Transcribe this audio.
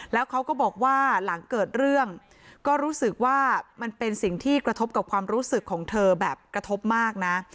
แล้วเขาก็บอกว่าหลังเกิดเรื่องก็รู้สึกว่ามันเป็นสิ่งที่กระทบกับความรู้สึกของเธอแบบกระทบมากนะ